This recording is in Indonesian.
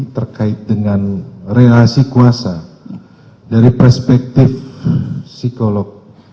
terkait dengan relasi kuasa dari perspektif psikolog